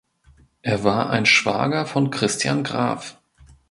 Er war ein Schwager von Christian Graf.